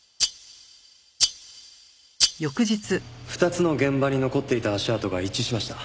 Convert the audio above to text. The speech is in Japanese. ２つの現場に残っていた足跡が一致しました。